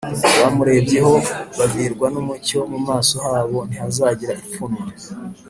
Bamurebyeho bavirwa n’umucyo, mu maso habo ntihazagira ipfunwe